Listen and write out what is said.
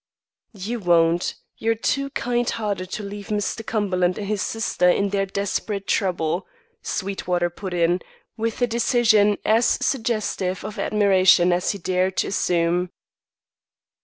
"You won't; you're too kind hearted to leave Mr. Cumberland and his sister in their desperate trouble," Sweetwater put in, with a decision as suggestive of admiration as he dared to assume.